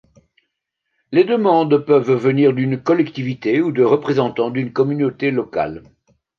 Les demandes peuvent venir d'une collectivité, ou de représentants d'une communauté locale.